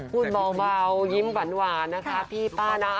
พูดเบายิ้มหวานพี่ป้านะ